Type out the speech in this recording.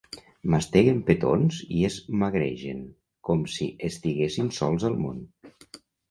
Masteguen petons i es magregen, com si estiguessin sols al món.